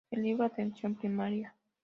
El libro Atención Primaria.